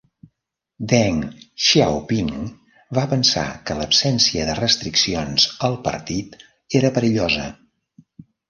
Deng Xiaoping va pensar que l"absència de restriccions al Partit era perillosa.